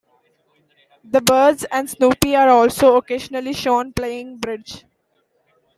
The birds and Snoopy are also occasionally shown playing bridge.